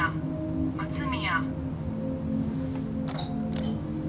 松宮。